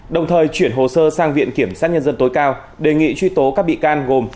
đồng thời chuyển hồ sơ sang viện kiểm sát nhân dân tối cao đề nghị truy tố các bị can gồm